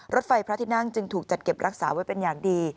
รถไฟพระที่นั่งจึงถูกจัดเก็บรักษาไว้เป็นอย่างดี